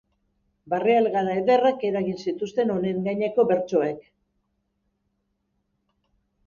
Barre algara ederrak eragin zituzten honen gaineko bertsoek.